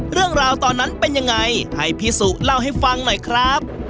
เรื่องราวตอนนั้นเป็นยังไงให้พี่สุเล่าให้ฟังหน่อยครับ